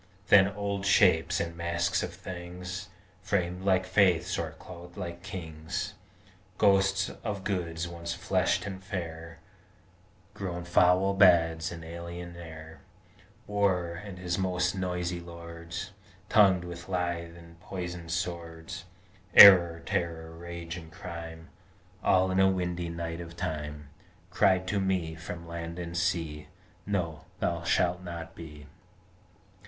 Then old Shapes and Masks of Things, Framed like Faiths or clothed like Kings, Ghosts of Goods once fleshed and fair, Grown foul Bads in alien air War, and his most noisy lords, Tongued with lithe and poisoned swords Error, Terror, Rage, and Crime, All in a windy night of time Cried to me from land and sea, _No! Thou shalt not be!